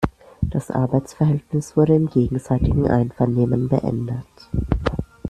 Das Arbeitsverhältnis wurde im gegenseitigen Einvernehmen beendet.